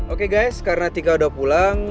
oke guys karena tika udah pulang